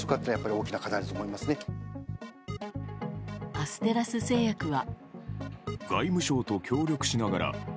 アステラス製薬は。